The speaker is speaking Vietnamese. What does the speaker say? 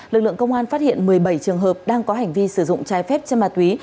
lực lượng công an phát hiện một mươi bảy trường hợp đang có hành vi sử dụng trái phép chân ma túy